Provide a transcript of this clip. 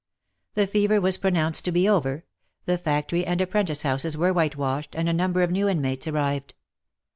The fever was pronounced to be over, the Factory and Apprentice house were whitewashed, and a number of new inmates arrived.